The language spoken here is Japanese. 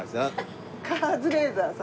カズレーザーさん。